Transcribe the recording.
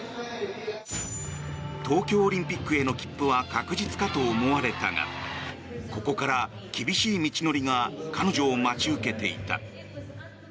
東京オリンピックへの切符は確実かと思われたがここから厳しい道のりが彼女を待ち受けていた。